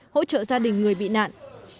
hỗ trợ gia đình người bị nạn